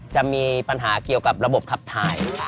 จะมีปัญหาเกี่ยวกับระบบขับถ่าย